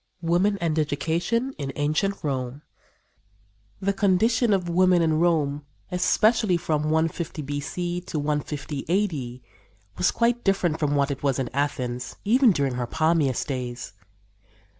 WOMAN AND EDUCATION IN ANCIENT ROME The condition of women in Rome, especially from 150 B.C. to 150 A.D., was quite different from what it was in Athens, even during her palmiest days.